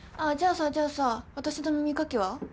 あじゃあさじゃあさ私の耳かきは？